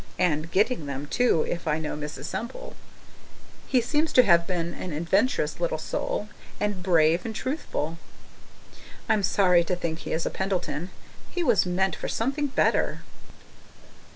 (And getting them, too, if I know Mrs. Semple!) He seems to have been an adventurous little soul and brave and truthful. I'm sorry to think he is a Pendleton; he was meant for something better.